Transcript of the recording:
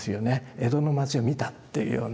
江戸の町を見たっていうような。